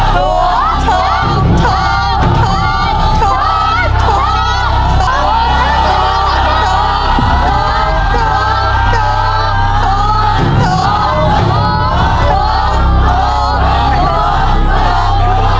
ถูกถูกถูกถูกถูกถูก